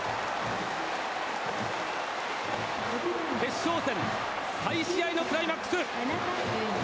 決勝戦、再試合のクライマックス。